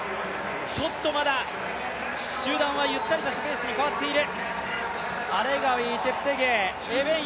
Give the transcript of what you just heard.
ちょっとまだ集団はゆったりとしたペースに変わっている。